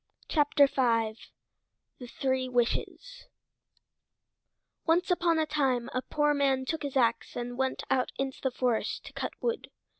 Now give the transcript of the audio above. THE THREE WISHES Once upon a time a poor man took his ax and went out into the forest to cut wood.